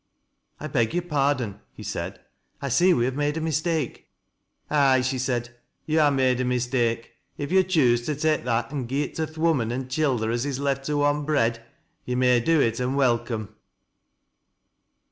" 1 beg your pardon," he said. " I see we have made a mistake." " Ay," she said, " yo' ha' made a mistake. If yo' choose to tak' that an' gi'e it to th' women an' childer as is left to want bread, yo' may do it an' welcome."